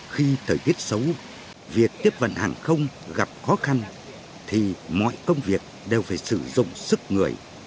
khi thời tiết xấu việc tiếp vận hàng không gặp khó khăn thì mọi công việc đều phải sử dụng sức người